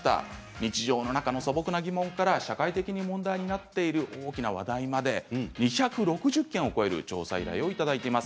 日常の中の素朴な疑問から社会的に問題になっている大きな話題まで、２６０件を超える調査依頼をいただいています。